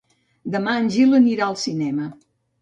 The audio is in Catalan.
Demà en Gil anirà al cinema.